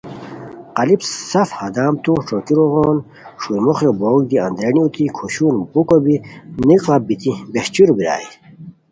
قالیپ سف ہداموتو ݯوکیرو غون چھوئی موخیو بوک دی اندرینی اوتی کھوشون بُوکو بی نیقڑپ بیتی بہچیرو بیرائے